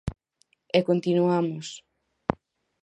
E continuamos.